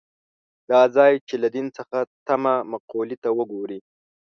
دا ځای چې له دین څخه تمه مقولې ته وګوري.